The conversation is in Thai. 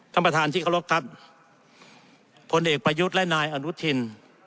ท่านประธานที่เคารพครับผลเอกประยุทธ์และนายอนุทิน